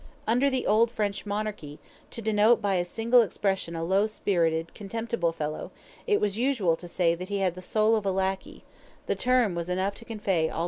Under the old French monarchy, to denote by a single expression a low spirited contemptible fellow, it was usual to say that he had the "soul of a lackey"; the term was enough to convey all that was intended.